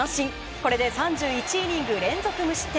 これで３１イニング連続無失点。